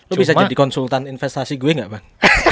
lo bisa jadi konsultan investasi gue gak bang